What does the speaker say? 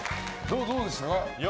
どうでしたか？